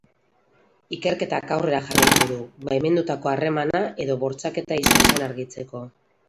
Ikerketak aurrera jarraitu du, baimendutako harremana edo bortxaketa izan zen argitzeko.